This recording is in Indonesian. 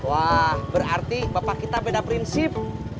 wah berarti bapak kita beda prinsip